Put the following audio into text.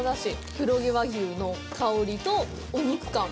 黒毛和牛の香りとお肉感。